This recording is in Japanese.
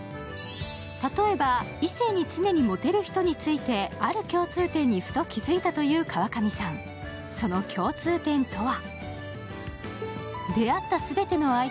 例えば、異性に常にモテる人についてある共通点にふと気づいたという川上さん、その共通点とは？